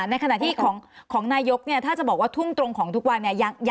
ในขณะที่ของนายกเนี่ยถ้าจะบอกว่าทุ่มตรงของทุกวันเนี่ย